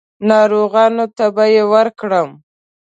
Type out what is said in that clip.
ناروغانو ته به یې ورکوم.